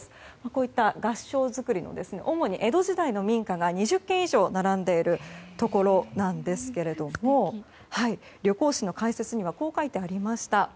こういった合掌造りの主に江戸時代の民家が２０軒以上並んでいるところなんですけども旅行誌の解説にはこう書いてありました。